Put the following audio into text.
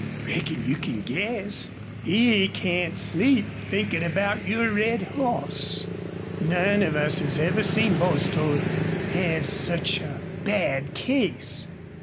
"Reckon you can guess. He can't sleep, thinkin' about your red hoss. None of us ever seen Bostil have sich a bad case.